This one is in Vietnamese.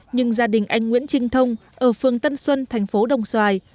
nhưng gia đình anh nguyễn trinh thông ở phương tân xuân thành phố đồng xoài